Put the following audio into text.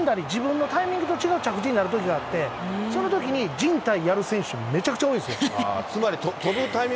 着地がから足踏んだり、自分のタイミングと違う着地になるときがあって、そのときにじん帯やる選手、めちゃくちゃ多いですよ。